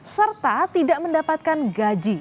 serta tidak mendapatkan gaji